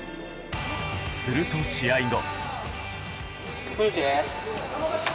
すると試合後。